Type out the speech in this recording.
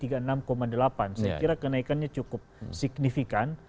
saya kira kenaikannya cukup signifikan